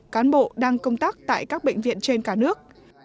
cán bộ đang công tác tại các bệnh viện trên cả nước